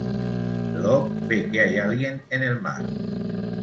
Locke ve que hay alguien en el mar.